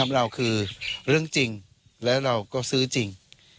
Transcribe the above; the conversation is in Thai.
เราคือเรื่องจริงแล้วเราก็ซื้อจริง